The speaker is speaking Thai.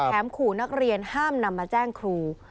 ขู่นักเรียนห้ามนำมาแจ้งครู